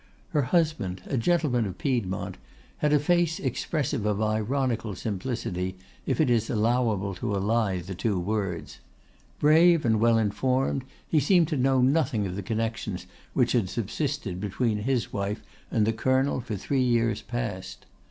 Her husband, a gentleman of Piedmont, had a face expressive of ironical simplicity, if it is allowable to ally the two words. Brave and well informed, he seemed to know nothing of the connections which had subsisted between his wife and the Colonel for three years past.